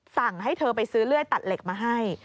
สั่งให้เธอไปซื้อเลื่อยตัดเหล็กมาให้